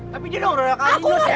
tapi dia udah kaya gini loh sayang